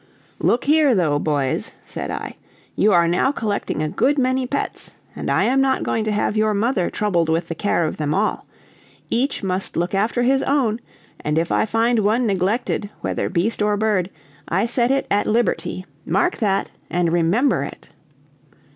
"Look here, though, boys," said I, "you are now collecting a good many pets, and I am not going to have your mother troubled with the care of them all; each must look after his own, and if I find one neglected, whether beast or bird, I set it at liberty. Mark that and remember it!"